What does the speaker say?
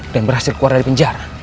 dan berhasil keluar dari penjara